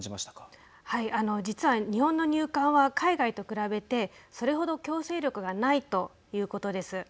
実は日本の入管は海外と比べて、それほど強制力がないということです。